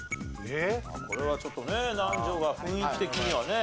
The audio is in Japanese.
これはちょっとね南條が雰囲気的にはね。